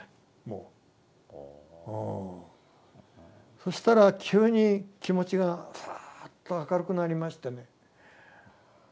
そしたら急に気持ちがサーッと明るくなりましてね。